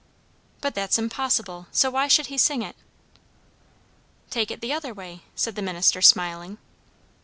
"But that's impossible; so why should he sing it?" "Take it the other way," said the minister, smiling.